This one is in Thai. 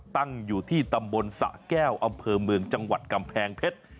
ตั้งอยู่ที่ตำบลสะแก้วอำเภอเมืองจังหวัดกำแพงเพชร